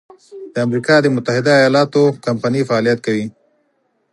د امریکا د متحد ایلااتو کمپنۍ فعالیت کوي.